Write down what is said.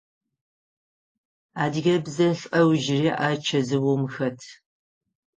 Адыгэ бзэ лӏэужри а чэзыум хэт.